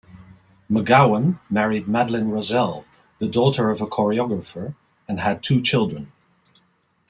McGowan married Madeline Rosselle, the daughter of a choreographer, and had two children.